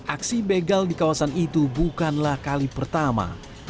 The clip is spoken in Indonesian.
aksi begal di kawasan itu bukanlah kali pertama